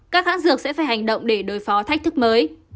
các hãng dược sẽ phải hành động để đối phó thách thức mới